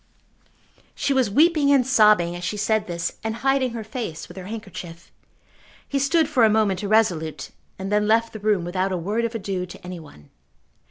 She was weeping and sobbing as she said this, and hiding her face with her handkerchief. He stood for a moment irresolute, and then left the room without a word of adieu to any one.